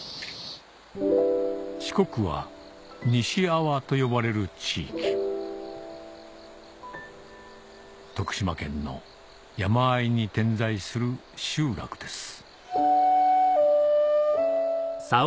四国はにし阿波と呼ばれる地域徳島県の山あいに点在する集落です